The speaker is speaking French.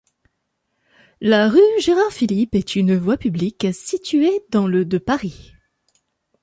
La rue Gérard-Philipe est une voie publique située dans le de Paris.